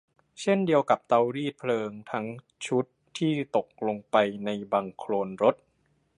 เช่นเดียวกับเตารีดเพลิงทั้งชุดที่ตกลงไปในบังโคลนรถ